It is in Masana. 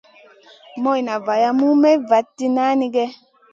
Morna valam Mey vanti nanigue.